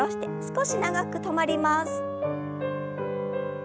少し長く止まります。